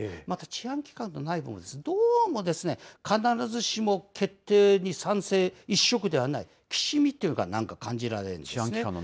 また治安機関の内部も、どうも必ずしも決定に賛成一色ではない、きしみというか、なんか感じられるんですね。